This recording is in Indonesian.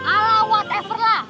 alah whatever lah